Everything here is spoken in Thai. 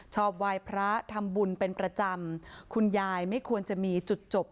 ไหว้พระทำบุญเป็นประจำคุณยายไม่ควรจะมีจุดจบ